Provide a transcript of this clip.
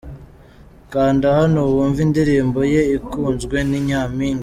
Kanda hano wumve indirimbo ye ikunzwe ni Nyampinga.